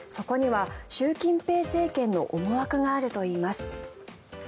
そこには習近平政権の思惑があるといいます。